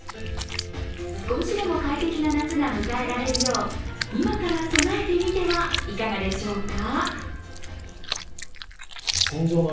少しでも快適な夏が迎えられるよう今から備えてみてはいかがでしょうか。